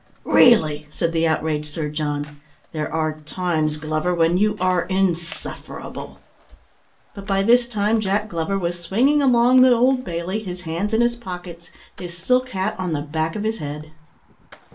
"Really!" said the outraged Sir John. "There are times, Glover, when you are insufferable!" But by this time Jack Glover was swinging along the Old Bailey, his hands in his pockets, his silk hat on the back of his head.